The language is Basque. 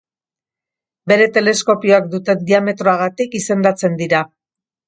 Bere teleskopioak duten diametroagatik izendatzen dira.